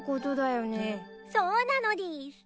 そうなのでぃす。